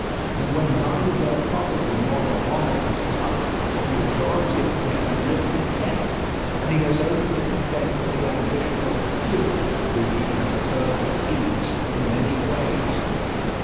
And when neither their property nor their honor is touched, the majority of men live content, and he has only to contend with the ambition of a few, whom he can curb with ease in many ways.